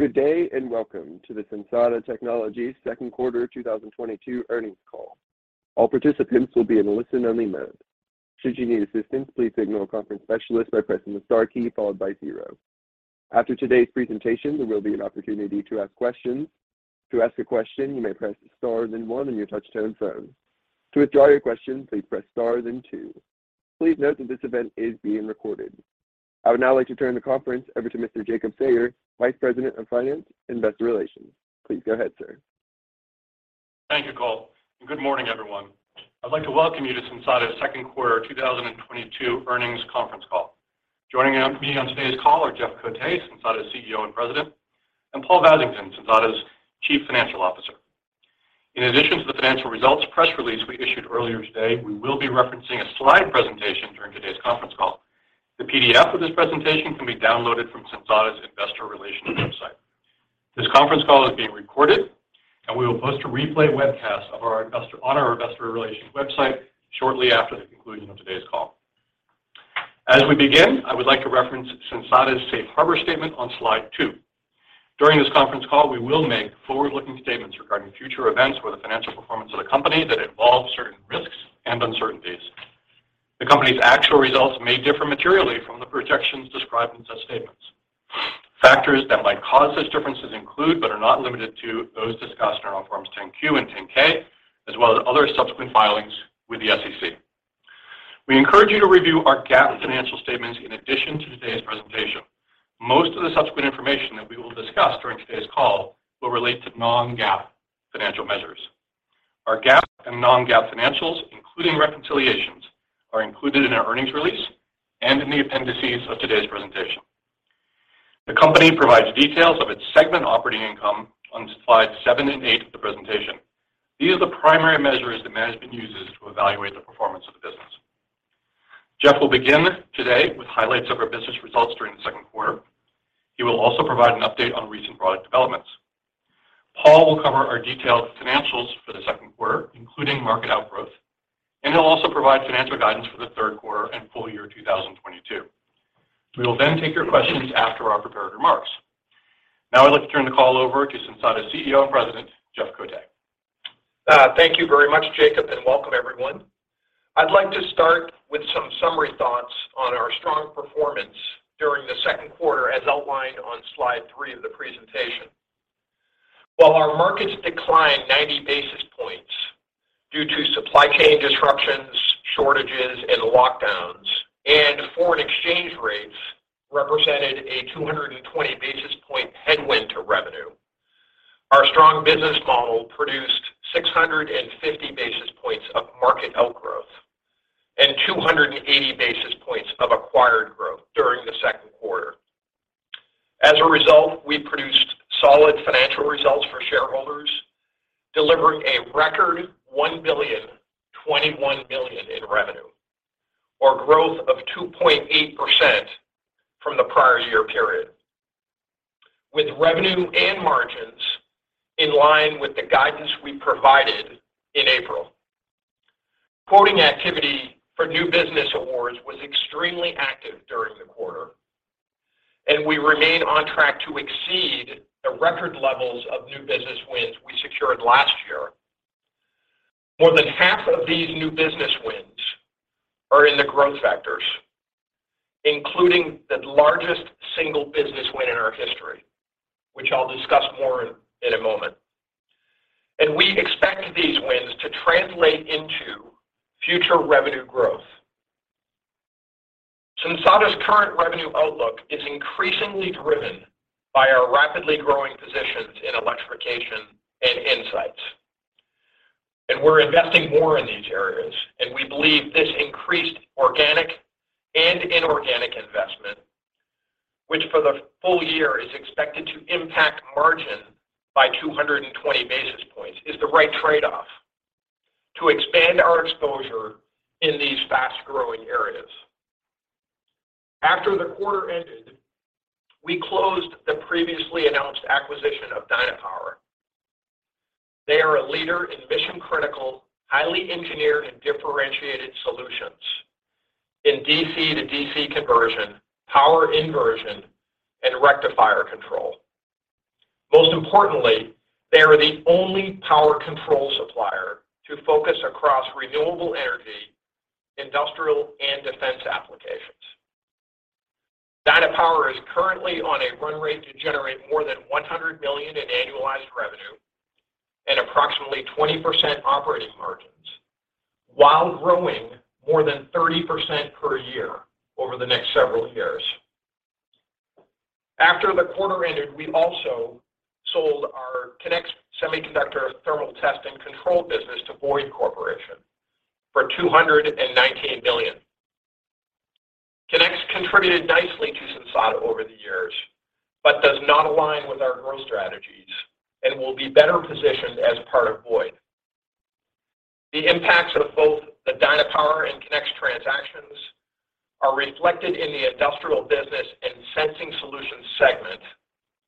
Good day, and welcome to the Sensata Technologies second quarter 2022 earnings call. All participants will be in a listen-only mode. Should you need assistance, please signal a conference specialist by pressing the star key followed by zero. After today's presentation, there will be an opportunity to ask questions. To ask a question, you may press star then one on your touch-tone phone. To withdraw your question, please press star then two. Please note that this event is being recorded. I would now like to turn the conference over to Mr. Jacob Sayer, Vice President of Finance and Investor Relations. Please go ahead, sir. Thank you, Cole, and good morning, everyone. I'd like to welcome you to Sensata's second quarter 2022 earnings conference call. Joining me on today's call are Jeff Cote, Sensata's CEO and President, and Paul Vasington, Sensata's Chief Financial Officer. In addition to the financial results press release we issued earlier today, we will be referencing a slide presentation during today's conference call. The PDF of this presentation can be downloaded from Sensata's investor relations website. This conference call is being recorded, and we will post a replay webcast on our investor relations website shortly after the conclusion of today's call. As we begin, I would like to reference Sensata's Safe Harbor statement on slide two. During this conference call, we will make forward-looking statements regarding future events or the financial performance of the company that involve certain risks and uncertainties. The company's actual results may differ materially from the projections described in such statements. Factors that might cause these differences include, but are not limited to, those discussed in our Forms 10-Q and 10-K, as well as other subsequent filings with the SEC. We encourage you to review our GAAP financial statements in addition to today's presentation. Most of the subsequent information that we will discuss during today's call will relate to non-GAAP financial measures. Our GAAP and non-GAAP financials, including reconciliations, are included in our earnings release and in the appendices of today's presentation. The company provides details of its segment operating income on slides seven and eight of the presentation. These are the primary measures that management uses to evaluate the performance of the business. Jeff will begin today with highlights of our business results during the second quarter. He will also provide an update on recent product developments. Paul will cover our detailed financials for the second quarter, including market outgrowth, and he'll also provide financial guidance for the third quarter and full year 2022. We will then take your questions after our prepared remarks. Now I'd like to turn the call over to Sensata's CEO and President, Jeff Cote. Thank you very much, Jacob, and welcome everyone. I'd like to start with some summary thoughts on our strong performance during the second quarter, as outlined on slide three of the presentation. While our markets declined 90 basis points due to supply chain disruptions, shortages, and lockdowns, and foreign exchange rates represented a 220 basis point headwind to revenue, our strong business model produced 650 basis points of market outgrowth and 280 basis points of acquired growth during the second quarter. As a result, we produced solid financial results for shareholders, delivering a record $1.021 billion in revenue, or growth of 2.8% from the prior year period, with revenue and margins in line with the guidance we provided in April. Quoting activity for new business awards was extremely active during the quarter, and we remain on track to exceed the record levels of new business wins we secured last year. More than half of these new business wins are in the growth vectors, including the largest single business win in our history, which I'll discuss more in a moment. We expect these wins to translate into future revenue growth. Sensata's current revenue outlook is increasingly driven by our rapidly growing positions in Electrification and Insights, and we're investing more in these areas. We believe this increased organic and inorganic investment, which for the full year is expected to impact margin by 220 basis points, is the right trade-off to expand our exposure in these fast-growing areas. After the quarter ended, we closed the previously announced acquisition of Dynapower. They are a leader in mission-critical, highly engineered, and differentiated solutions in DC-to-DC conversion, power inversion, and rectifier control. Most importantly, they are the only power control supplier to focus across renewable energy, industrial, and defense applications. Dynapower is currently on a run rate to generate more than $100 million in annualized revenue and approximately 20% operating margins while growing more than 30% per year over the next several years. After the quarter ended, we also sold our Qinex semiconductor thermal test and control business to Boyd Corporation for $219 million. Qinex contributed nicely to Sensata over the years, but does not align with our growth strategies and will be better positioned as part of Boyd. The impacts of both the Dynapower and Qinex transactions are reflected in the Industrial business and Sensing Solutions segment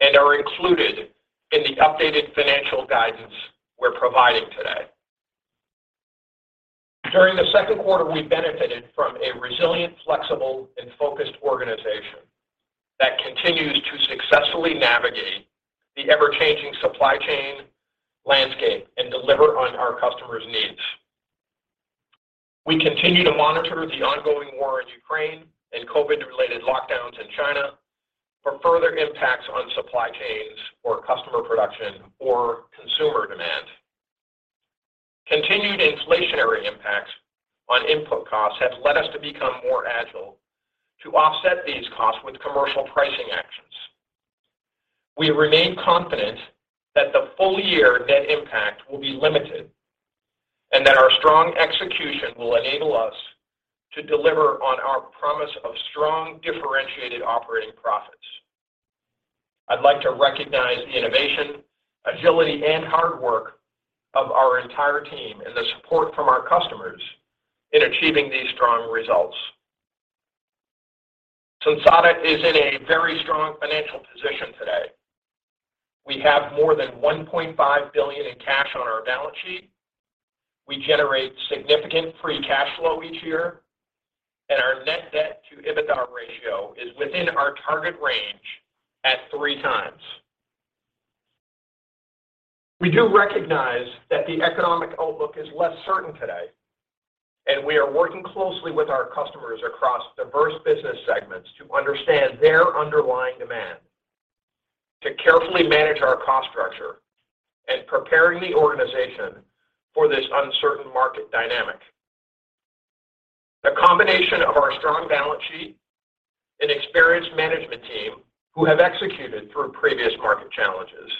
and are included in the updated financial guidance we're providing today. During the second quarter, we benefited from a resilient, flexible, and focused organization that continues to successfully navigate the ever-changing supply chain landscape and deliver on our customers' needs. We continue to monitor the ongoing war in Ukraine and COVID-related lockdowns in China for further impacts on supply chains or customer production or consumer demand. Continued inflationary impacts on input costs have led us to become more agile to offset these costs with commercial pricing actions. We remain confident that the full-year net impact will be limited and that our strong execution will enable us to deliver on our promise of strong, differentiated operating profits. I'd like to recognize the innovation, agility, and hard work of our entire team and the support from our customers in achieving these strong results. Sensata is in a very strong financial position today. We have more than $1.5 billion in cash on our balance sheet. We generate significant free cash flow each year, and our net debt to EBITDA ratio is within our target range at 3x. We do recognize that the economic outlook is less certain today, and we are working closely with our customers across diverse business segments to understand their underlying demand, to carefully manage our cost structure, and preparing the organization for this uncertain market dynamic. The combination of our strong balance sheet, an experienced management team who have executed through previous market challenges,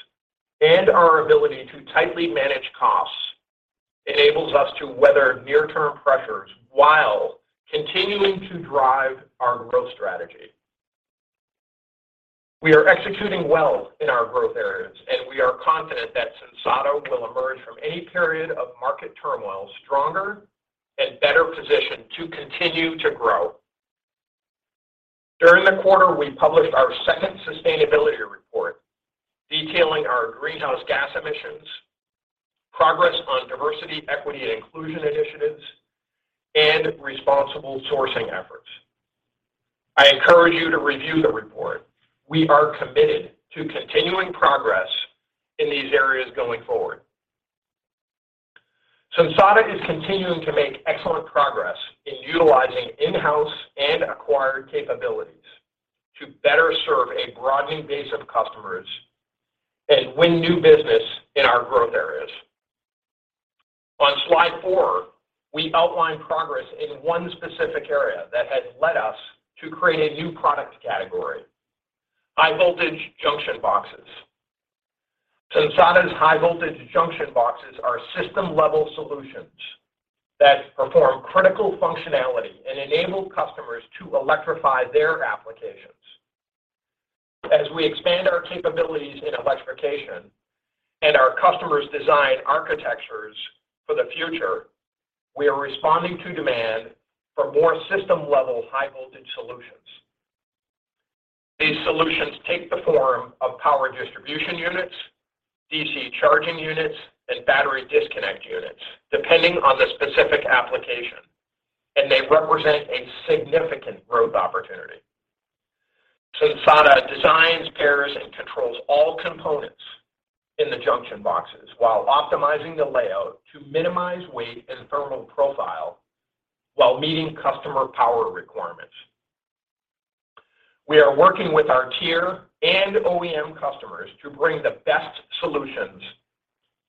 and our ability to tightly manage costs enables us to weather near-term pressures while continuing to drive our growth strategy. We are executing well in our growth areas, and we are confident that Sensata will emerge from any period of market turmoil stronger and better positioned to continue to grow. During the quarter, we published our second sustainability report detailing our greenhouse gas emissions, progress on diversity, equity, and inclusion initiatives, and responsible sourcing efforts. I encourage you to review the report. We are committed to continuing progress in these areas going forward. Sensata is continuing to make excellent progress in utilizing in-house and acquired capabilities to better serve a broadening base of customers and win new business in our growth areas. On slide four, we outlined progress in one specific area that has led us to create a new product category, High-Voltage Junction Boxes. Sensata's High-Voltage Junction Boxes are system-level solutions that perform critical functionality and enable customers to electrify their applications. As we expand our capabilities in Electrification and our customers design architectures for the future, we are responding to demand for more system-level high-voltage solutions. These solutions take the form of power distribution units, DC charging units, and battery disconnect units, depending on the specific application, and they represent a significant growth opportunity. Sensata designs, pairs, and controls all components in the junction boxes while optimizing the layout to minimize weight and thermal profile while meeting customer power requirements. We are working with our tier and OEM customers to bring the best solutions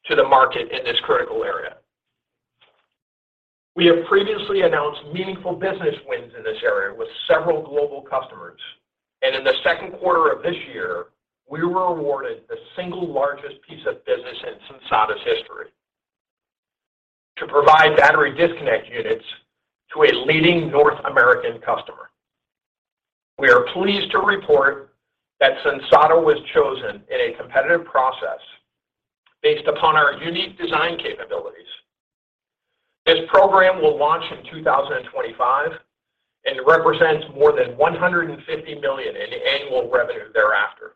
to the market in this critical area. We have previously announced meaningful business wins in this area with several global customers, and in the second quarter of this year, we were awarded the single largest piece of business in Sensata's history to provide battery disconnect units to a leading North American customer. We are pleased to report that Sensata was chosen in a competitive process based upon our unique design capabilities. This program will launch in 2025 and represents more than $150 million in annual revenue thereafter.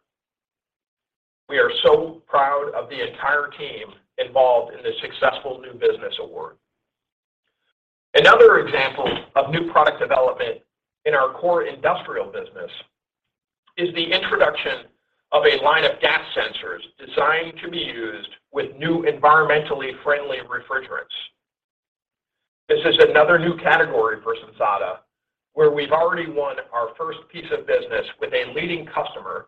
We are so proud of the entire team involved in this successful new business award. Another example of new product development in our core industrial business is the introduction of a line of gas sensors designed to be used with new environmentally friendly refrigerants. This is another new category for Sensata where we've already won our first piece of business with a leading customer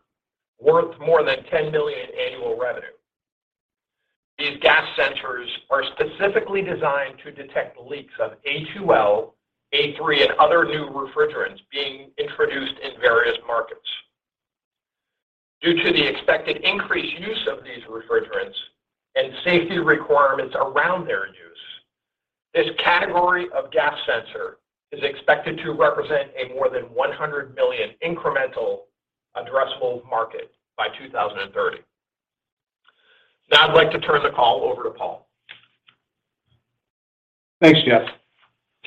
worth more than $10 million in annual revenue. These gas sensors are specifically designed to detect leaks of A2L, A3, and other new refrigerants being introduced in various markets. Due to the expected increased use of these refrigerants and safety requirements around their use, this category of gas sensor is expected to represent a more than $100 million incremental addressable market by 2030. Now I'd like to turn the call over to Paul. Thanks, Jeff.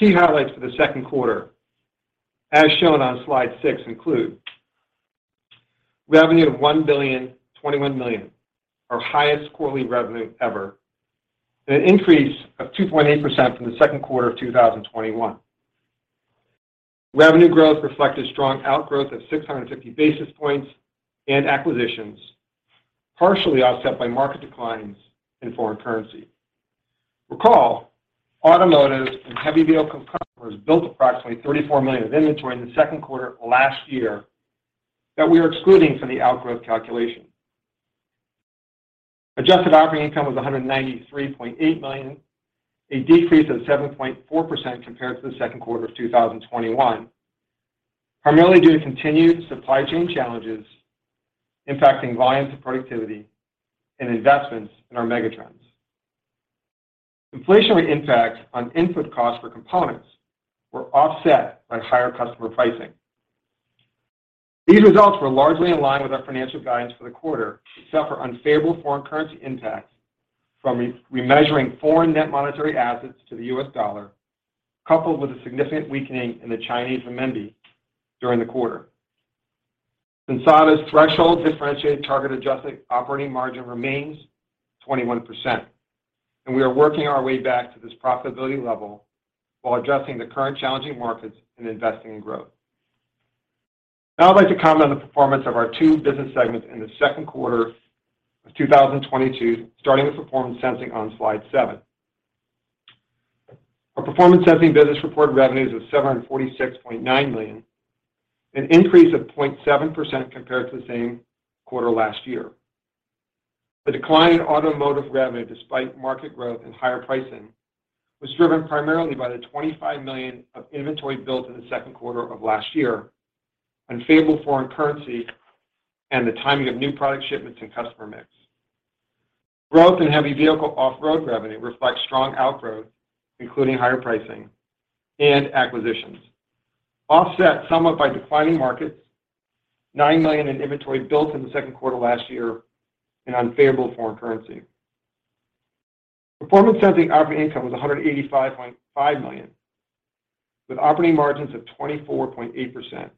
Key highlights for the second quarter, as shown on slide six, include revenue of $1.021 billion, our highest quarterly revenue ever, and an increase of 2.8% from the second quarter of 2021. Revenue growth reflected strong outgrowth of 650 basis points and acquisitions, partially offset by market declines and foreign currency. Recall automotive and heavy vehicle customers built approximately $34 million of inventory in the second quarter of last year that we are excluding from the outgrowth calculation. Adjusted operating income was $193.8 million, a decrease of 7.4% compared to the second quarter of 2021, primarily due to continued supply chain challenges impacting volumes and productivity and investments in our megatrends. Inflationary impacts on input costs for components were offset by higher customer pricing. These results were largely in line with our financial guidance for the quarter, except for unfavorable foreign currency impacts from re-measuring foreign net monetary assets to the U.S. dollar, coupled with a significant weakening in the Chinese Renminbi during the quarter. Sensata's threshold differentiated target adjusted operating margin remains 21%, and we are working our way back to this profitability level while addressing the current challenging markets and investing in growth. Now I'd like to comment on the performance of our two business segments in the second quarter of 2022, starting with Performance Sensing on slide seven. Our Performance Sensing business reported revenues of $746.9 million, an increase of 0.7% compared to the same quarter last year. The decline in automotive revenue, despite market growth and higher pricing, was driven primarily by the $25 million of inventory built in the second quarter of last year, unfavorable foreign currency, and the timing of new product shipments and customer mix. Growth in heavy vehicle off-road revenue reflects strong outgrowth, including higher pricing and acquisitions, offset somewhat by declining markets, $9 million in inventory built in the second quarter last year, and unfavorable foreign currency. Performance Sensing operating income was $185.5 million, with operating margins of 24.8%.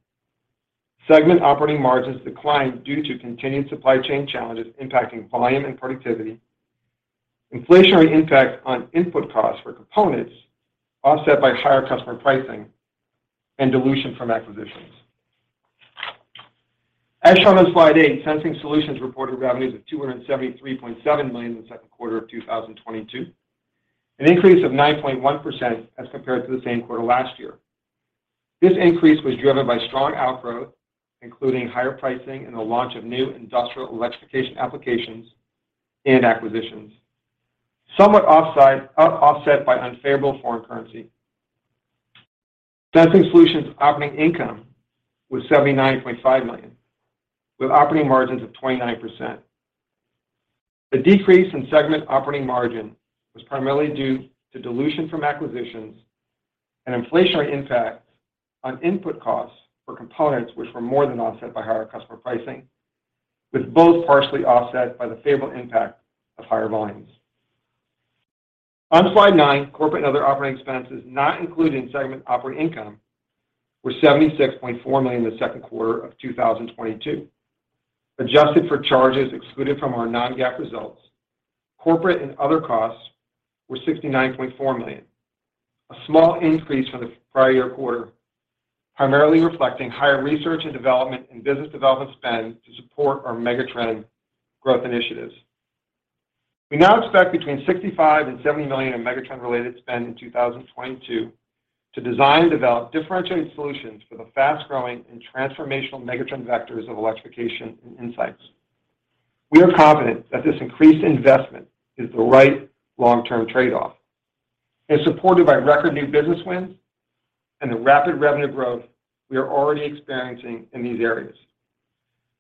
Segment operating margins declined due to continued supply chain challenges impacting volume and productivity, inflationary impacts on input costs for components offset by higher customer pricing and dilution from acquisitions. As shown on slide eight, Sensing Solutions reported revenues of $273.7 million in the second quarter of 2022, an increase of 9.1% as compared to the same quarter last year. This increase was driven by strong outgrowth, including higher pricing and the launch of new industrial electrification applications and acquisitions, somewhat offset by unfavorable foreign currency. Sensing Solutions operating income was $79.5 million, with operating margins of 29%. The decrease in segment operating margin was primarily due to dilution from acquisitions and inflationary impacts on input costs for components which were more than offset by higher customer pricing, with both partially offset by the favorable impact of higher volumes. On slide nine, corporate and other operating expenses not included in segment operating income were $76.4 million in the second quarter of 2022. Adjusted for charges excluded from our non-GAAP results, corporate and other costs were $69.4 million, a small increase from the prior year quarter, primarily reflecting higher research and development and business development spend to support our megatrend growth initiatives. We now expect between $65 million and $70 million in megatrend-related spend in 2022 to design and develop differentiated solutions for the fast-growing and transformational megatrend vectors of Electrification and Insights. We are confident that this increased investment is the right long-term trade-off, as supported by record new business wins and the rapid revenue growth we are already experiencing in these areas.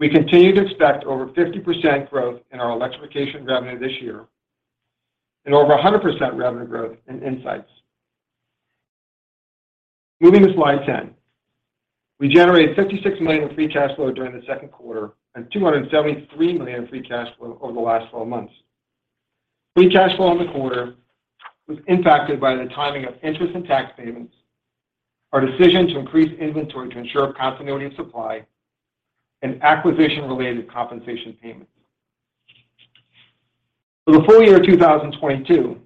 We continue to expect over 50% growth in our Electrification revenue this year and over 100% revenue growth in Insights. Moving to slide 10. We generated $56 million in free cash flow during the second quarter and $273 million in free cash flow over the last 12 months. Free cash flow in the quarter was impacted by the timing of interest and tax payments, our decision to increase inventory to ensure continuity and supply, and acquisition-related compensation payments. For the full year 2022,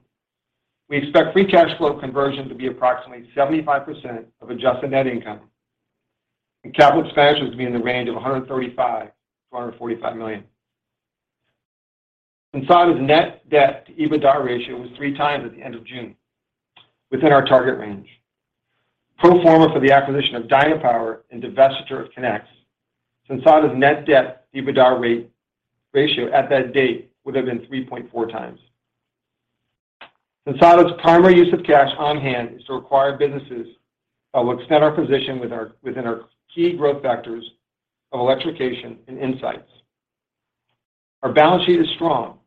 we expect free cash flow conversion to be approximately 75% of adjusted net income and capital expenditures to be in the range of $135 million-$145 million. Sensata's net debt-to-EBITDA ratio was 3x at the end of June, within our target range. Pro forma for the acquisition of Dynapower and divestiture of Qinex, Sensata's net debt-to-EBITDA ratio at that date would have been 3.4x. Sensata's primary use of cash on hand is to acquire businesses that will extend our position within our key growth vectors of Electrification and Insights. Our balance sheet is strong,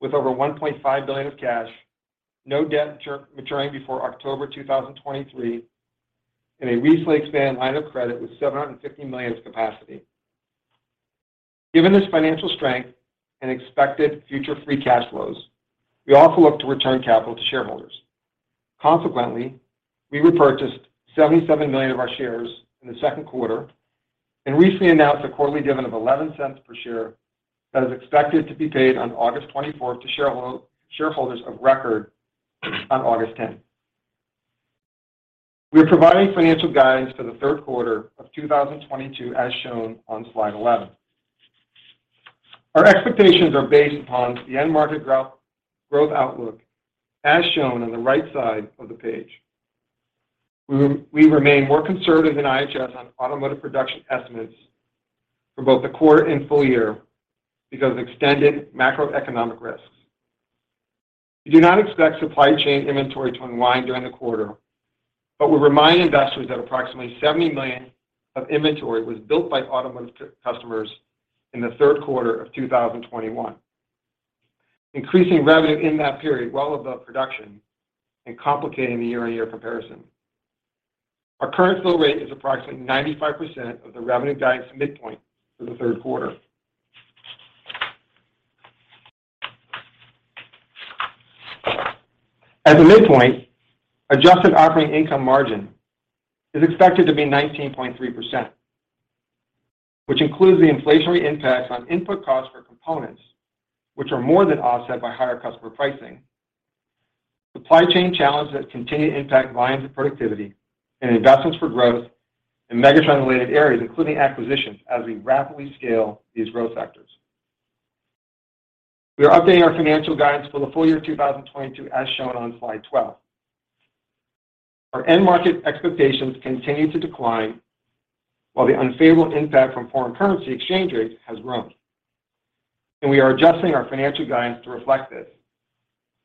with over $1.5 billion of cash, no debt maturing before October 2023, and a recently expanded line of credit with $750 million of capacity. Given this financial strength and expected future free cash flows, we also look to return capital to shareholders. Consequently, we repurchased $77 million of our shares in the second quarter and recently announced a quarterly dividend of $0.11 per share that is expected to be paid on August 24th to shareholders of record on August 10th. We are providing financial guidance for the third quarter of 2022 as shown on slide 11. Our expectations are based upon the end market growth outlook as shown on the right side of the page. We remain more conservative than IHS on automotive production estimates for both the quarter and full year because of extended macroeconomic risks. We do not expect supply chain inventory to unwind during the quarter, but we remind investors that approximately $70 million of inventory was built by automotive customers in the third quarter of 2021, increasing revenue in that period well above production and complicating the year-on-year comparison. Our current flow rate is approximately 95% of the revenue guidance midpoint for the third quarter. At the midpoint, adjusted operating income margin is expected to be 19.3%, which includes the inflationary impact on input costs for components, which are more than offset by higher customer pricing. Supply chain challenges that continue to impact volumes and productivity and investments for growth in megatrend related areas, including acquisitions as we rapidly scale these growth sectors. We are updating our financial guidance for the full year 2022 as shown on slide 12. Our end market expectations continue to decline while the unfavorable impact from foreign currency exchange rates has grown. We are adjusting our financial guidance to reflect this,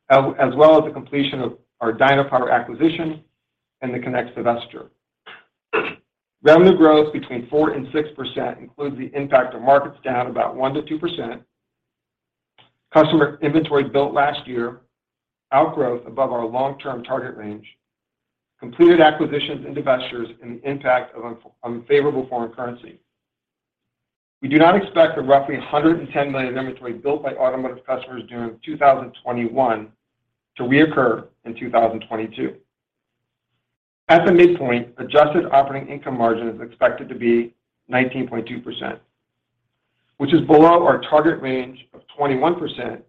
as well as the completion of our Dynapower acquisition and the Qinex divestiture. Revenue growth between 4% and 6% includes the impact of markets down about 1%-2%. Customer inventory built last year, outgrowth above our long-term target range, completed acquisitions and divestitures, and the impact of unfavorable foreign currency. We do not expect the roughly $110 million of inventory built by automotive customers during 2021 to reoccur in 2022. At the midpoint, adjusted operating income margin is expected to be 19.2%, which is below our target range of 21%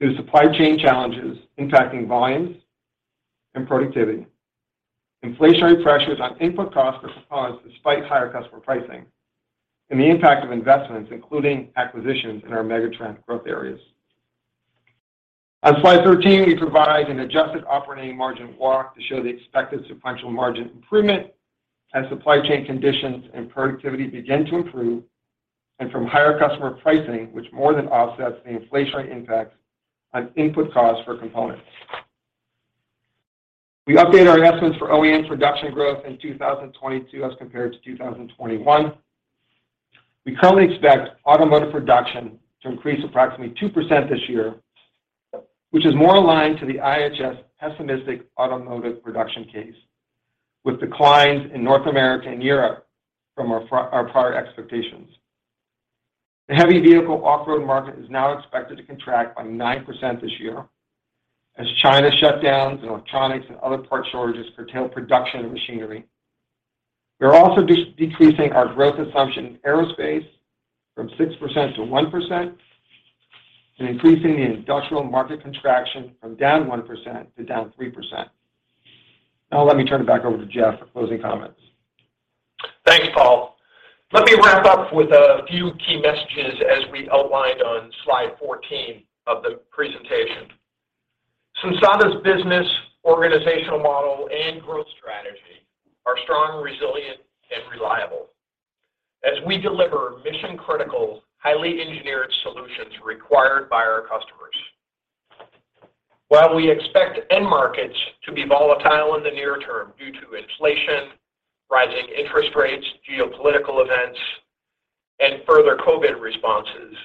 due to supply chain challenges impacting volumes and productivity, inflationary pressures on input costs for components despite higher customer pricing, and the impact of investments, including acquisitions in our megatrend growth areas. On slide 13, we provide an adjusted operating margin walk to show the expected sequential margin improvement as supply chain conditions and productivity begin to improve and from higher customer pricing, which more than offsets the inflationary impact on input costs for components. We update our estimates for OEM production growth in 2022 as compared to 2021. We currently expect automotive production to increase approximately 2% this year, which is more aligned to the IHS' pessimistic automotive production case, with declines in North America and Europe from our prior expectations. The heavy vehicle off-road market is now expected to contract by 9% this year as China shutdowns and electronics and other parts shortages curtail production and machinery. We are also decreasing our growth assumption in aerospace from 6% to 1% and increasing the industrial market contraction from down 1% to down 3%. Now let me turn it back over to Jeff for closing comments. Thanks, Paul. Let me wrap up with a few key messages as we outlined on slide 14 of the presentation. Sensata's business organizational model and growth strategy are strong, resilient, and reliable as we deliver mission-critical, highly engineered solutions required by our customers. While we expect end markets to be volatile in the near term due to inflation, rising interest rates, geopolitical events, and further COVID responses,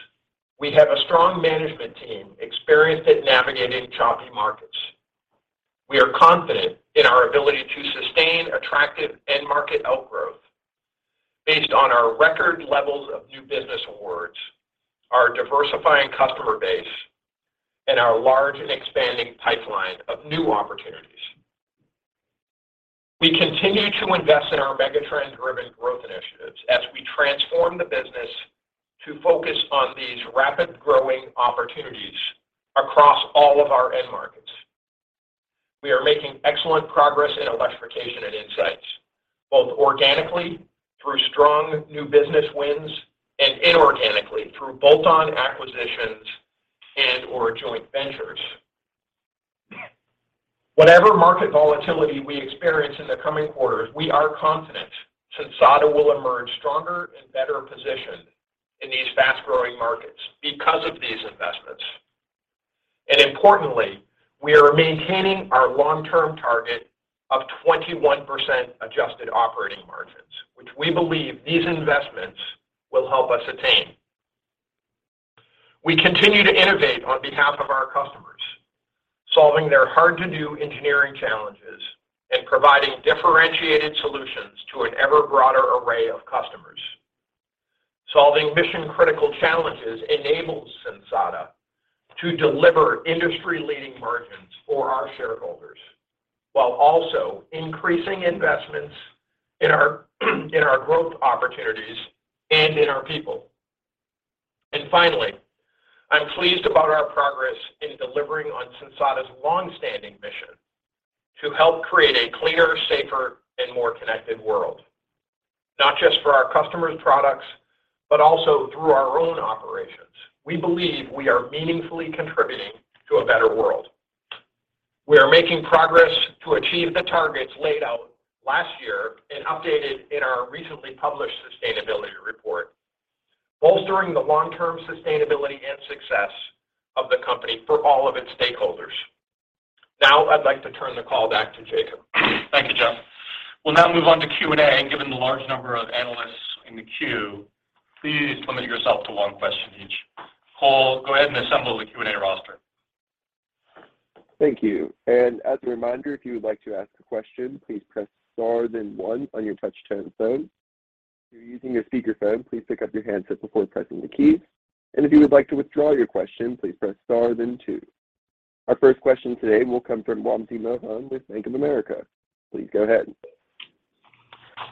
we have a strong management team experienced at navigating choppy markets. We are confident in our ability to sustain attractive end market outgrowth based on our record levels of new business awards, our diversifying customer base, and our large and expanding pipeline of new opportunities. We continue to invest in our megatrend-driven growth initiatives as we transform the business to focus on these rapid growing opportunities across all of our end markets. We are making excellent progress in Electrification and Insights, both organically through strong new business wins and inorganically through bolt-on acquisitions and/or joint ventures. Whatever market volatility we experience in the coming quarters, we are confident Sensata will emerge stronger and better positioned in these fast-growing markets because of these investments. Importantly, we are maintaining our long-term target of 21% adjusted operating margins, which we believe these investments will help us attain. We continue to innovate on behalf of our customers, solving their hard-to-do engineering challenges and providing differentiated solutions to an ever broader array of customers. Solving mission-critical challenges enables Sensata to deliver industry-leading margins for our shareholders, while also increasing investments in our growth opportunities and in our people. Finally, I'm pleased about our progress in delivering on Sensata's longstanding mission to help create a cleaner, safer, and more connected world, not just for our customers' products, but also through our own operations. We believe we are meaningfully contributing to a better world. We are making progress to achieve the targets laid out last year and updated in our recently published sustainability report, bolstering the long-term sustainability and success of the company for all of its stakeholders. Now, I'd like to turn the call back to Jacob. Thank you, Jeff. We'll now move on to Q&A, and given the large number of analysts in the queue, please limit yourself to one question each. Paul, go ahead and assemble the Q&A roster. Thank you. As a reminder, if you would like to ask a question, please press star then one on your touchtone phone. If you're using your speakerphone, please pick up your handset before pressing the key. If you would like to withdraw your question, please press star then two. Our first question today will come from Wamsi Mohan with Bank of America. Please go ahead.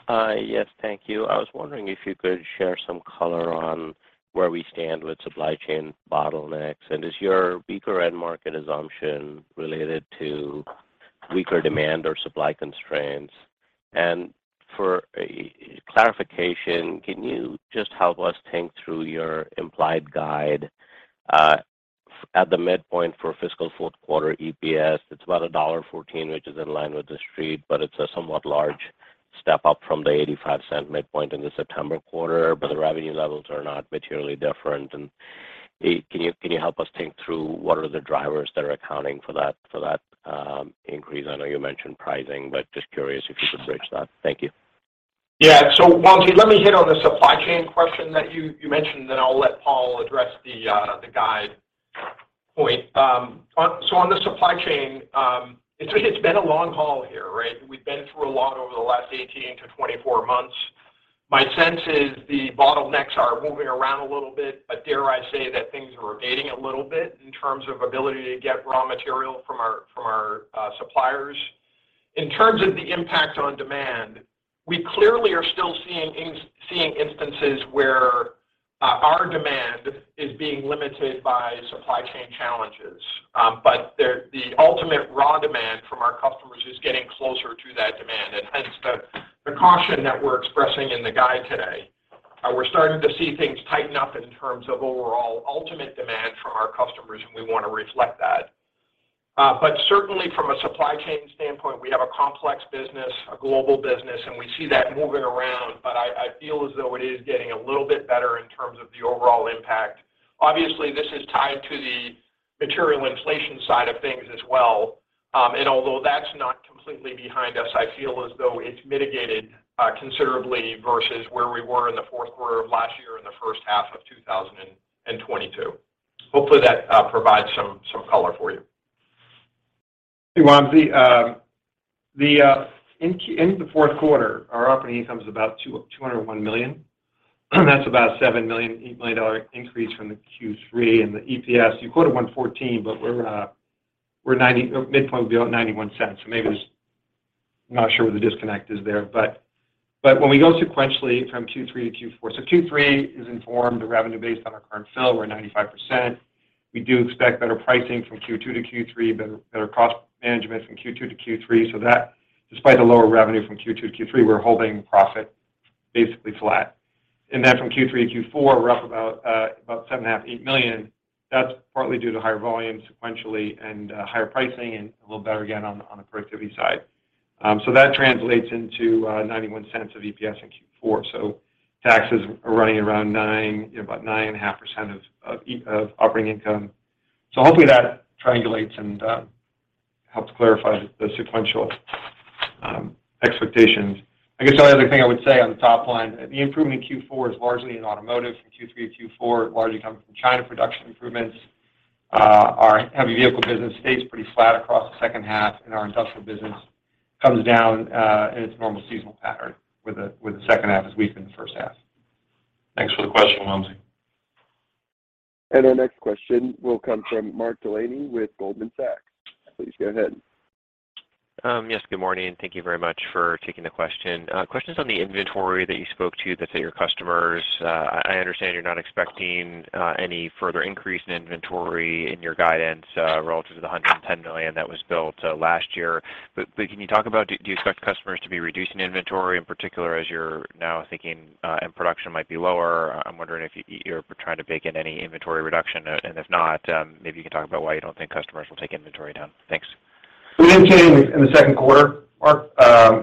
Hi. Yes, thank you. I was wondering if you could share some color on where we stand with supply chain bottlenecks, and is your weaker end market assumption related to weaker demand or supply constraints? For a clarification, can you just help us think through your implied guide at the midpoint for fiscal fourth quarter EPS? It's about $1.14, which is in line with The Street, but it's a somewhat large step up from the $0.85 midpoint in the September quarter, but the revenue levels are not materially different. Can you help us think through what are the drivers that are accounting for that increase? I know you mentioned pricing, but just curious if you could bridge that. Thank you. Yeah. Wamsi, let me hit on the supply chain question that you mentioned, then I'll let Paul address the guide point. On the supply chain, it's been a long haul here, right? We've been through a lot over the last 18 months-24 months. My sense is the bottlenecks are moving around a little bit, but dare I say that things are abating a little bit in terms of ability to get raw material from our suppliers. In terms of the impact on demand, we clearly are still seeing instances where our demand is being limited by supply chain challenges. The ultimate raw demand from our customers is getting closer to that demand, and hence the precaution that we're expressing in the guide today. We're starting to see things tighten up in terms of overall ultimate demand from our customers, and we wanna reflect that. Certainly from a supply chain standpoint, we have a complex business, a global business, and we see that moving around. I feel as though it is getting a little bit better in terms of the overall impact. Obviously, this is tied to the material inflation side of things as well. Although that's not completely behind us, I feel as though it's mitigated considerably versus where we were in the fourth quarter of last year and the first half of 2022. Hopefully, that provides some color for you. Hey, Wamsi. In the fourth quarter, our operating income is about $201 million. That's about $7 million-$8 million increase from the Q3. The EPS, you quoted $1.14, but midpoint will be at $0.91. Maybe there's. I'm not sure what the disconnect is there. But when we go sequentially from Q3 to Q4, Q3 is informed of revenue based on our current fill. We are 95%. We do expect better pricing from Q2 to Q3, better cost management from Q2 to Q3. That, despite the lower revenue from Q2 to Q3, we're holding profit basically flat. Then from Q3 to Q4, we're up about $7.5 million-$8 million. That's partly due to higher volume sequentially and higher pricing and a little better again on the productivity side. That translates into $0.91 of EPS in Q4. Taxes are running around 9%, you know, about 9.5% of operating income. Hopefully that triangulates and helps clarify the sequential expectations. I guess the only other thing I would say on the top line, the improvement in Q4 is largely in automotive from Q3 to Q4, largely coming from China production improvements. Our heavy vehicle business stays pretty flat across the second half, and our industrial business comes down in its normal seasonal pattern with the second half as weak in the first half. Thanks for the question, Wamsi. Our next question will come from Mark Delaney with Goldman Sachs. Please go ahead. Yes. Good morning. Thank you very much for taking the question. Questions on the inventory that you spoke to that's at your customers. I understand you're not expecting any further increase in inventory in your guidance relative to the $110 million that was built last year. Can you talk about do you expect customers to be reducing inventory, in particular as you're now thinking and production might be lower? I'm wondering if you're trying to bake in any inventory reduction. If not, maybe you can talk about why you don't think customers will take inventory down. Thanks. We indicated in the second quarter, Mark,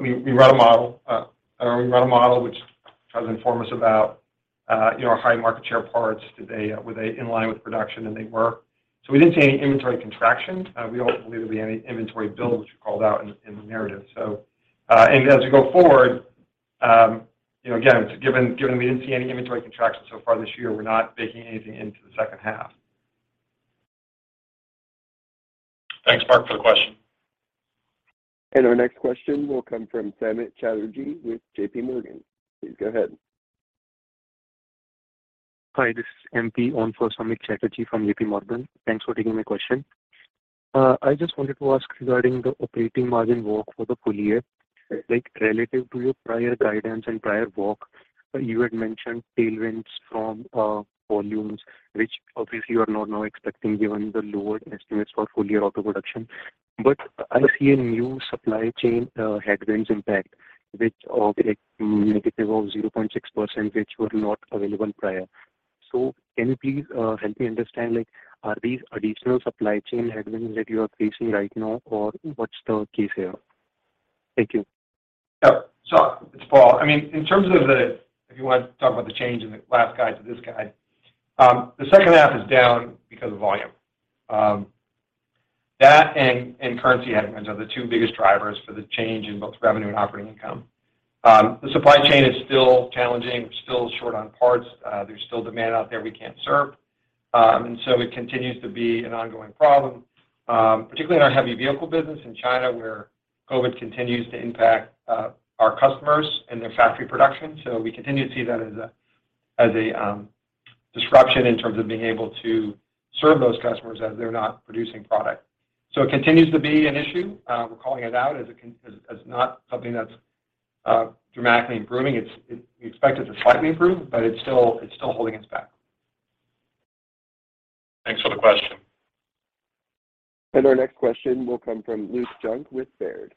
we ran a model which tries to inform us about you know, our high market share parts. Were they in line with production? They were. We didn't see any inventory contraction. We don't believe there'll be any inventory build, which you called out in the narrative. As we go forward, you know, again, given we didn't see any inventory contraction so far this year, we're not baking anything into the second half. Thanks, Mark, for the question. Our next question will come from Samik Chatterjee with JPMorgan. Please go ahead. Hi, this is MP. On for Samik Chatterjee from JPMorgan. Thanks for taking my question. I just wanted to ask regarding the operating margin walk for the full year. Like, relative to your prior guidance and prior walk, you had mentioned tailwinds from volumes, which obviously you are not now expecting given the lower estimates for full-year auto production. I see a new supply chain headwinds impact, which is like -0.6%, which were not available prior. Can you please help me understand, like are these additional supply chain headwinds that you are facing right now, or what's the case here? Thank you. Yeah. It's Paul. I mean, in terms of, if you want to talk about the change in the last guide to this guide, the second half is down because of volume. That and currency headwinds are the two biggest drivers for the change in both revenue and operating income. The supply chain is still challenging. We're still short on parts. There's still demand out there we can't serve. It continues to be an ongoing problem, particularly in our heavy vehicle business in China, where COVID continues to impact our customers and their factory production. We continue to see that as a disruption in terms of being able to serve those customers as they're not producing product. It continues to be an issue. We're calling it out as not something that's dramatically improving. We expect it to slightly improve, but it's still holding us back. Thanks for the question. Our next question will come from Luke Junk with Baird.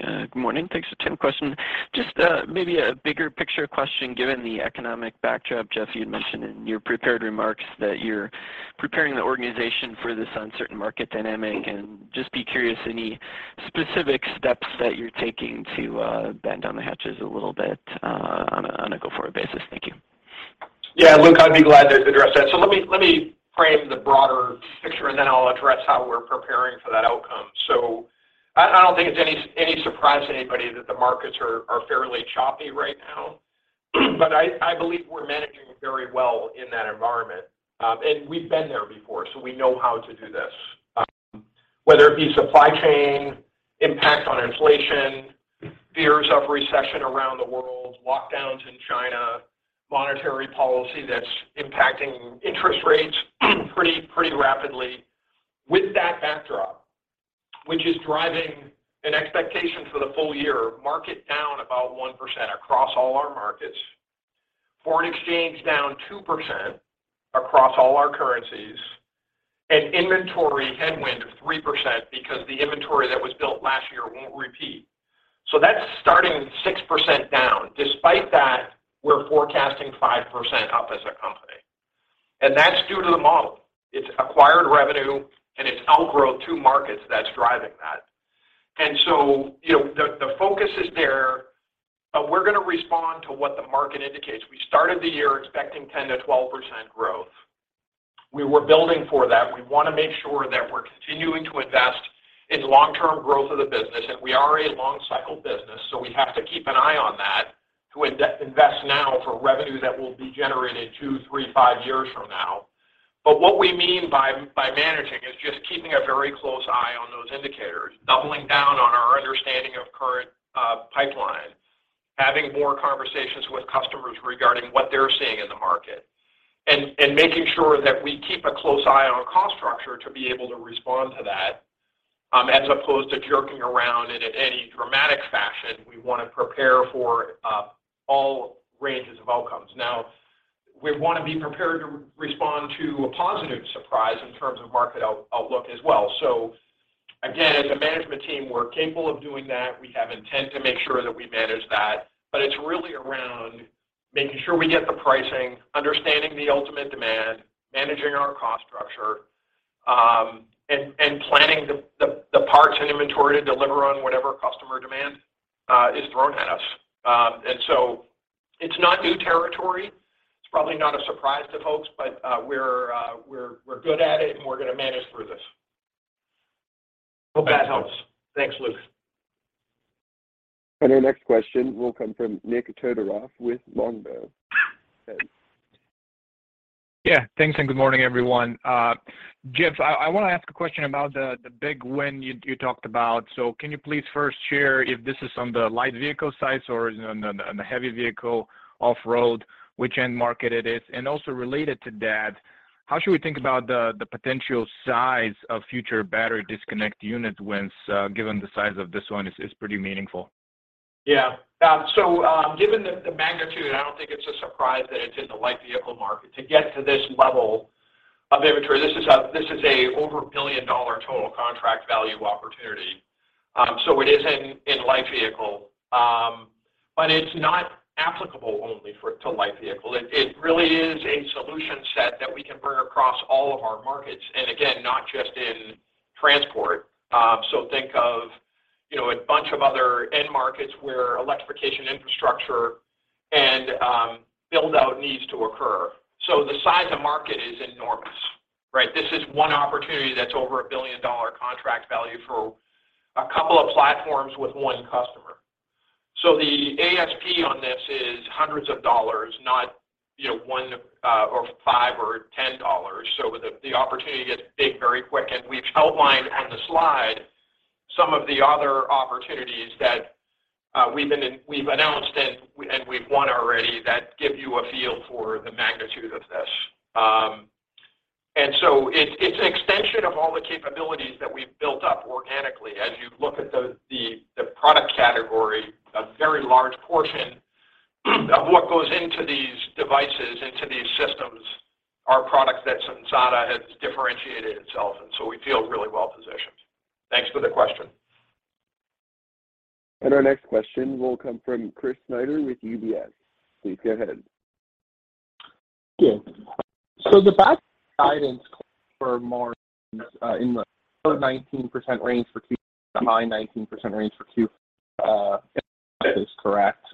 Good morning. Thanks for taking the question. Just, maybe a bigger picture question, given the economic backdrop. Jeff, you had mentioned in your prepared remarks that you're preparing the organization for this uncertain market dynamic. Just be curious, any specific steps that you're taking to batten down the hatches a little bit, on a go-forward basis? Thank you. Yeah. Luke, I'd be glad to address that. Let me frame the broader picture, and then I'll address how we're preparing for that outcome. I don't think it's any surprise to anybody that the markets are fairly choppy right now. I believe we're managing very well in that environment. We've been there before, so we know how to do this. Whether it be supply chain, impact on inflation, fears of recession around the world, lockdowns in China, monetary policy that's impacting interest rates pretty rapidly. With that backdrop, which is driving an expectation for the full year market down about 1% across all our markets. Foreign exchange down 2% across all our currencies. Inventory headwind of 3% because the inventory that was built last year won't repeat. That's starting 6% down. Despite that, we're forecasting 5% up as a company. That's due to the model. It's acquired revenue and it's outgrow two markets that's driving that. You know, the focus is there. We're gonna respond to what the market indicates. We started the year expecting 10%-12% growth. We were building for that. We wanna make sure that we're continuing to invest in long-term growth of the business. We are a long cycle business, so we have to keep an eye on that to under-invest now for revenue that will be generated two, three, five years from now. What we mean by managing is just keeping a very close eye on those indicators, doubling down on our understanding of current pipeline, having more conversations with customers regarding what they're seeing in the market. Making sure that we keep a close eye on our cost structure to be able to respond to that, as opposed to jerking around in any dramatic fashion. We wanna prepare for all ranges of outcomes. Now, we wanna be prepared to respond to a positive surprise in terms of market outlook as well. Again, as a management team, we're capable of doing that. We have intent to make sure that we manage that. It's really around making sure we get the pricing, understanding the ultimate demand, managing our cost structure, and planning the parts and inventory to deliver on whatever customer demand is thrown at us. It's not new territory. It's probably not a surprise to folks, but we're good at it, and we're gonna manage through this. Hope that helps. Thanks, Luke. Our next question will come from Nik Todorov with Longbow. Go ahead. Yeah. Thanks, and good morning, everyone. Jeff, I wanna ask a question about the big win you talked about. Can you please first share if this is on the light vehicle side or on the heavy vehicle off-road, which end market it is? And also related to that, how should we think about the potential size of future battery disconnect unit wins, given the size of this one is pretty meaningful? Yeah. Given the magnitude, I don't think it's a surprise that it's in the light vehicle market. To get to this level of inventory, this is over $1 billion total contract value opportunity. It is in light vehicle. But it's not applicable only to light vehicle. It really is a solution set that we can bring across all of our markets, and again, not just in transport. Think of, you know, a bunch of other end markets where Electrification infrastructure and build-out needs to occur. The size of market is enormous, right? This is one opportunity that's over $1 billion contract value for a couple of platforms with one customer. The ASP on this is hundreds of dollars, not, you know, $1, or $5 or 10 dollars. The opportunity gets big very quick. We've outlined on the slide some of the other opportunities that we've announced and we've won already that give you a feel for the magnitude of this. It's an extension of all the capabilities that we've built up organically. As you look at the product category, a very large portion of what goes into these devices, into these systems are products that Sensata has differentiated itself, and so we feel really well positioned. Thanks for the question. Our next question will come from Chris Snyder with UBS. Please go ahead. The back-half guidance in the low 19% range for Q4, the high 19% range for Q1, that is correct.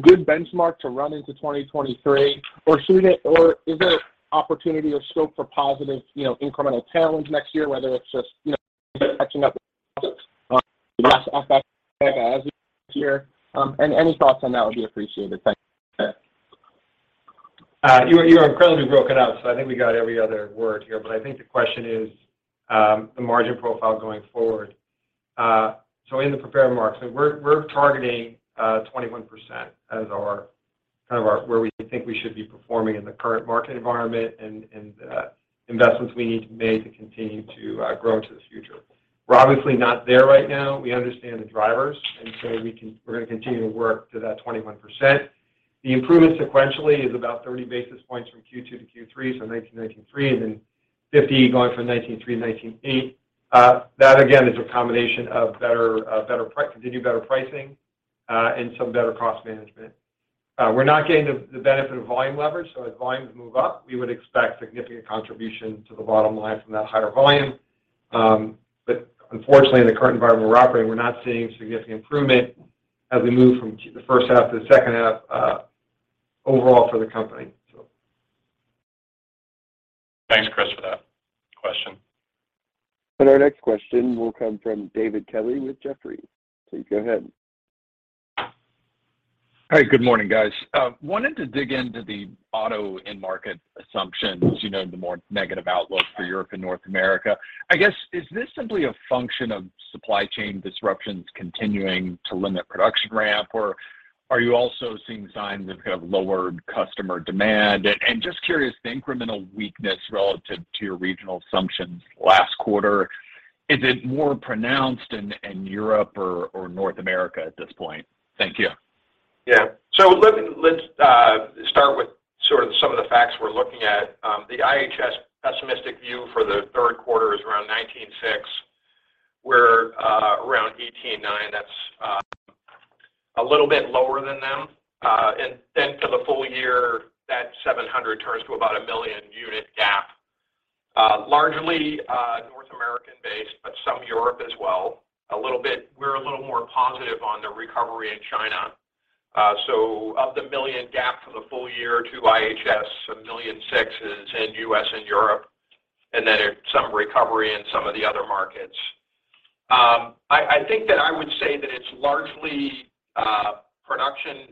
Good benchmark to run into 2023 or is there opportunity or scope for positive, you know, incremental tailwind next year, whether it's just, you know, catching up as you hear. And any thoughts on that would be appreciated. Thank you. You were incredibly broken up, so I think we got every other word here. I think the question is, the margin profile going forward. In the prepared remarks, we're targeting 21% as our kind of where we think we should be performing in the current market environment and investments we need to make to continue to grow into this future. We're obviously not there right now. We understand the drivers, and we're gonna continue to work to that 21%. The improvement sequentially is about 30 basis points from Q2 to Q3, so 19.3%, and then 50 basis points going from 19.3%, 19.8%. That again is a combination of continued better pricing and some better cost management. We're not getting the benefit of volume leverage, so as volumes move up, we would expect significant contribution to the bottom line from that higher volume. Unfortunately, in the current environment we're operating, we're not seeing significant improvement as we move from the first half to the second half, overall for the company. Thanks, Chris, for that question. Our next question will come from David Kelley with Jefferies. Please go ahead. Hi. Good morning, guys. Wanted to dig into the auto end market assumptions, you know, the more negative outlook for Europe and North America. I guess, is this simply a function of supply chain disruptions continuing to limit production ramp, or are you also seeing signs of kind of lowered customer demand? Just curious, the incremental weakness relative to your regional assumptions last quarter, is it more pronounced in Europe or North America at this point? Thank you. Let's start with sort of some of the facts we're looking at. The IHS' pessimistic view for the third quarter is around 19.6%. We're around 18.9%. That's a little bit lower than them. For the full year, that 700, 000 turns to about 1 million unit gap, largely North American-based, but some Europe as well. We're a little more positive on the recovery in China. Of the 1 million gap for the full year to IHS, 1.6 million is in US and Europe, and then there's some recovery in some of the other markets. I think that I would say that it's largely production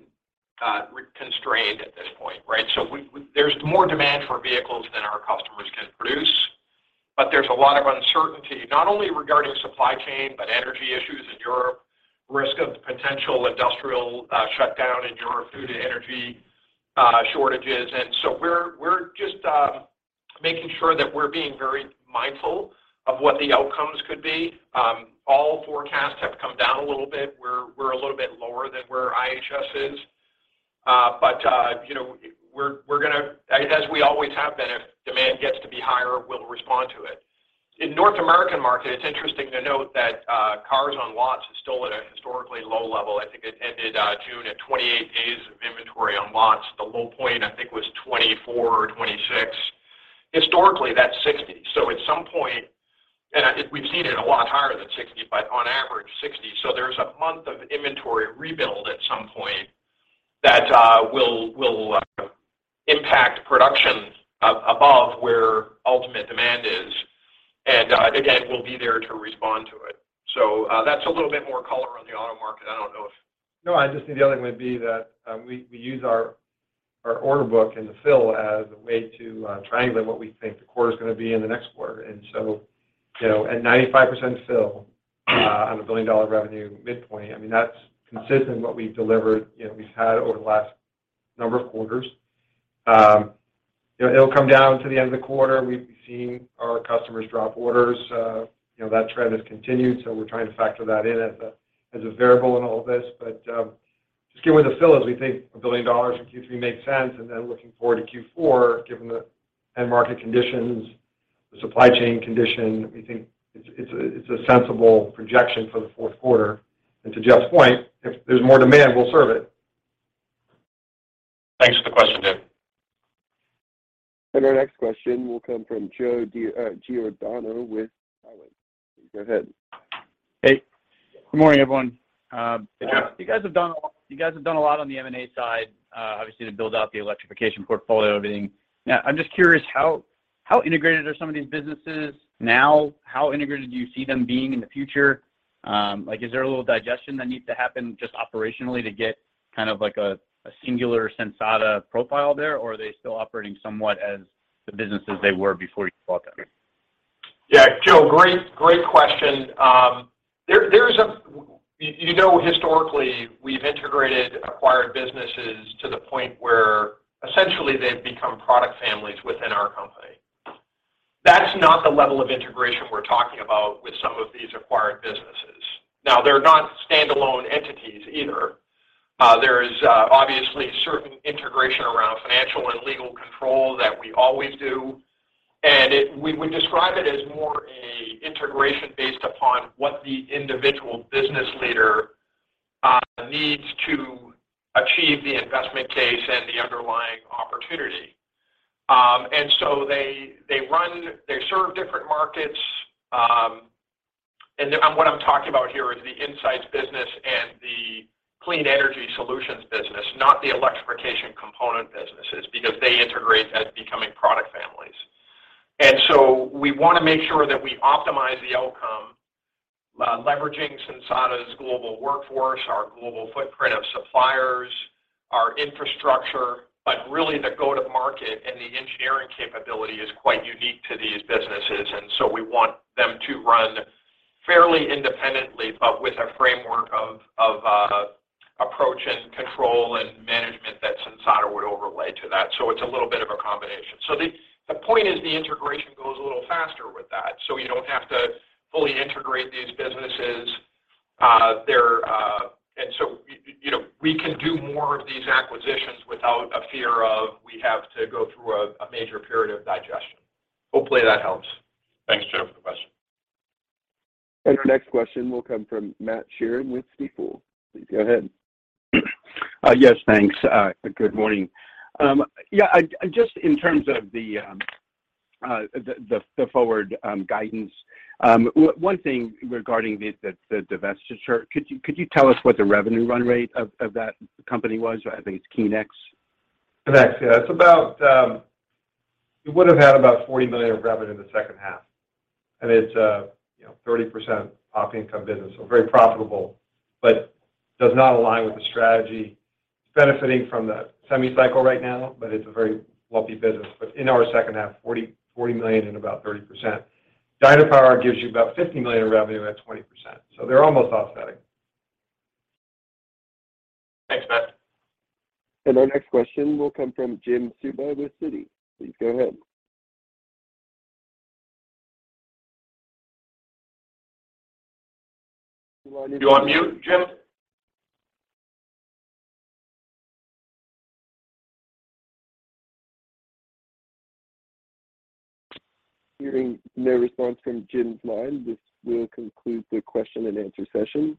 constrained at this point, right? We there's more demand for vehicles than our customers can produce, but there's a lot of uncertainty, not only regarding supply chain, but energy issues in Europe, risk of potential industrial shutdown in Europe due to energy shortages. We're just making sure that we're being very mindful of what the outcomes could be. All forecasts have come down a little bit. We're a little bit lower than where IHS is. You know, we're gonna, as we always have been, if demand gets to be higher, we'll respond to it. In North American market, it's interesting to note that cars on lots is still at a historically low level. I think it ended June at 28 days of inventory on lots. The low point, I think, was 24 or 26. Historically, that's 60. At some point, I think we've seen it a lot higher than 60, but on average, 60. There's a month of inventory rebuild at some point that will impact production above where ultimate demand is. Again, we'll be there to respond to it. That's a little bit more color on the auto market. I don't know if No, I just think the other thing would be that we use our order book and the fill as a way to triangulate what we think the quarter's gonna be and the next quarter. You know, at 95% still on $1 billion revenue midpoint, I mean, that's consistent with what we've delivered, you know, we've had over the last number of quarters. You know, it'll come down to the end of the quarter. We've seen our customers drop orders. You know, that trend has continued, so we're trying to factor that in as a variable in all of this. Just given the fill, as we think $1 billion in Q3 makes sense, and then looking forward to Q4, given the end market conditions, the supply chain condition, we think it's a sensible projection for the fourth quarter. To Jeff's point, if there's more demand, we'll serve it. Thanks for the question, David. Our next question will come from Joe Giordano with Cowen. Go ahead. Hey. Good morning, everyone. Hey, Joe. You guys have done a lot on the M&A side, obviously to build out the Electrification portfolio and everything. Now, I'm just curious how integrated are some of these businesses now? How integrated do you see them being in the future? Like, is there a little digestion that needs to happen just operationally to get kind of like a singular Sensata profile there, or are they still operating somewhat as the businesses they were before you bought them? Yeah. Joe, great question. You know, historically, we've integrated acquired businesses to the point where essentially they've become product families within our company. That's not the level of integration we're talking about with some of these acquired businesses. Now, they're not standalone entities either. There's obviously certain integration around financial and legal control that we always do, and we would describe it as more an integration based upon what the individual business leader needs to achieve the investment case and the underlying opportunity. They run. They serve different markets. What I'm talking about here is the Insights business and the Clean Energy Solutions business, not the Electrification component businesses, because they integrate as becoming product families. We wanna make sure that we optimize the outcome, leveraging Sensata's global workforce, our global footprint of suppliers, our infrastructure, but really the go-to-market and the engineering capability is quite unique to these businesses, and we want them to run fairly independently, but with a framework of approach and control and management that Sensata would overlay to that. It's a little bit of a combination. The point is the integration goes a little faster with that, so you don't have to fully integrate these businesses. You know, we can do more of these acquisitions without a fear of we have to go through a major period of digestion. Hopefully that helps. Thanks, Joe, for the question. Our next question will come from Matt Sheerin with Stifel. Please go ahead. Yes, thanks. Good morning. Yeah, just in terms of the forward guidance, one thing regarding the divestiture, could you tell us what the revenue run rate of that company was? I think it's Qinex. Qinex, yeah. It's about, it would have had about $40 million of revenue in the second half, and it's a, you know, 30% op income business, so very profitable, but does not align with the strategy. It's benefiting from the semi-cycle right now, but it's a very lumpy business. In our second half, $40 million and about 30%. Dynapower gives you about $50 million of revenue at 20%, so they're almost offsetting. Thanks, Matt. Our next question will come from Jim Suva with Citi. Please go ahead. You on mute, Jim? Hearing no response from Jim's line, this will conclude the Q&A session.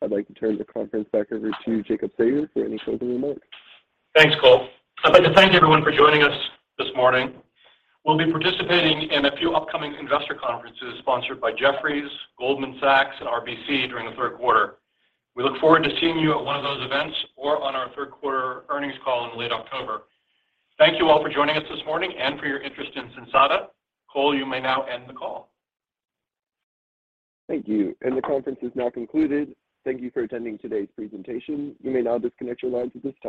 I'd like to turn the conference back over to Jacob Sayer for any closing remarks. Thanks, Cole. I'd like to thank everyone for joining us this morning. We'll be participating in a few upcoming investor conferences sponsored by Jefferies, Goldman Sachs, and RBC during the third quarter. We look forward to seeing you at one of those events or on our third quarter earnings call in late October. Thank you all for joining us this morning and for your interest in Sensata. Cole, you may now end the call. Thank you. The conference is now concluded. Thank you for attending today's presentation. You may now disconnect your lines at this time.